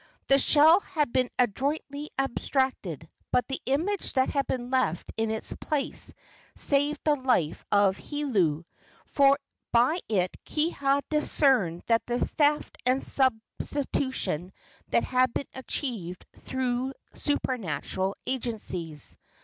The shell had been adroitly abstracted, but the image that had been left in its place saved the life of Hiolo, for by it Kiha discerned that the theft and substitution had been achieved through supernatural agencies.